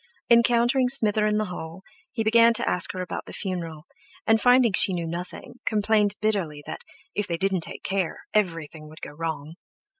Encountering Smither in the hall, he began to ask her about the funeral, and, finding that she knew nothing, complained bitterly that, if they didn't take care, everything would go wrong.